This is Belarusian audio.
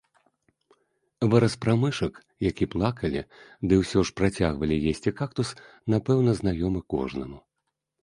Выраз пра мышак, які плакалі, ды ўсё ж працягвалі есці кактус, напэўна, знаёмы кожнаму.